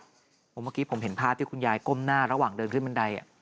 เพราะเมื่อกี้ผมเห็นภาพที่คุณยายก้มหน้าระหว่างเดินขึ้นบันได